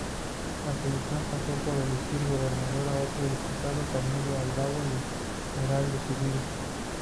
La solución pasó por elegir gobernador a otro diputado, Camilo Aldao, liberal decidido.